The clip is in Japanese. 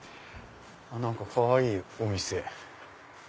何かかわいいお店。